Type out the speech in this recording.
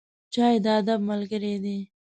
چای د ادب ملګری دی.